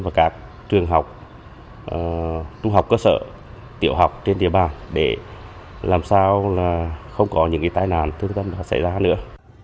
và các trường học trung học cơ sở tiểu học trên địa bàn để làm sao là không có những tai nạn thương tâm xảy ra nữa